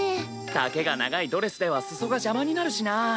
丈が長いドレスでは裾が邪魔になるしな。